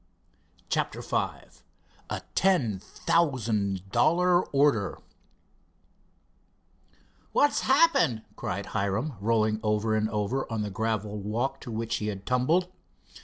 CHAPTER V A TEN THOUSAND DOLLAR ORDER "What's happened?" cried Hiram, rolling over and over on the gravel walk to which he had tumbled.